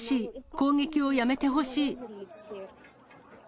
攻撃をやめてほしい。